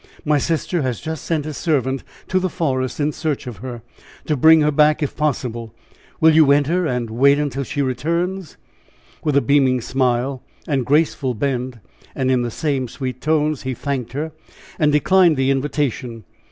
My sister has just sent a servant to the forest in search of her, to bring her back, if possible. Will you enter, and wait till she returns?" With a beaming smile and graceful bend, and in the same sweet tones, he thanked her, and declined the invitation.